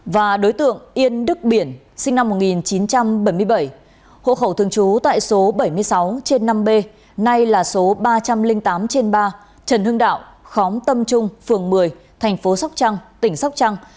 và đối tượng yên đức biển sinh năm một nghìn chín trăm bảy mươi bảy hộ khẩu thường trú tại số bảy mươi sáu trên năm b nay là số ba trăm linh tám trên ba trần hưng đạo khóm tâm trung phường một mươi thành phố sóc trăng tỉnh sóc trăng